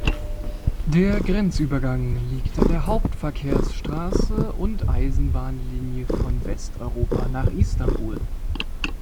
Der Grenzübergang liegt an der Hauptverkehrsstraße und Eisenbahnlinie von Westeuropa nach Istanbul.